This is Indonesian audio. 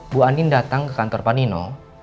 bu andin datang ke kantor panino